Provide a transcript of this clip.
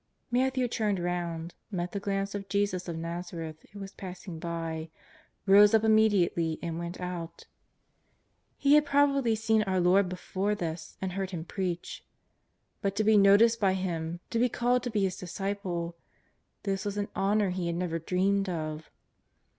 Matthew turned round, met the glance of Jesus of ITazareth, who was passing by, rose up immediately, and went out. He had probably seen our Lord before 184 JESUS OF NAZARETH. this and heard Him preach. But to be noticed hj Him^ to be called to be His disciple — this was an honour he had never dreamed of.